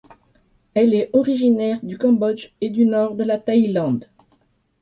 Elle est originaire du Cambodge et du Nord de la Thaïlande.